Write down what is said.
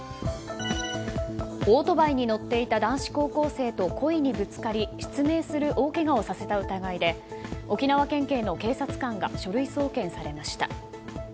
オートバイに乗っていた男子高校生と故意にぶつかり失明する大けがをさせた疑いで沖縄県警の警察官が書類送検されました。